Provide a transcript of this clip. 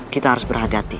kita harus berhati hati